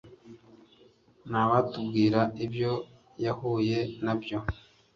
nta watubwira ibyo yahuye nabyo